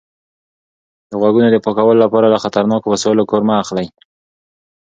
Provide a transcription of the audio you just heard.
د غوږونو د پاکولو لپاره له خطرناکو وسایلو کار مه اخلئ.